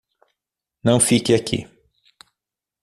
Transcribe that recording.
Não fique aqui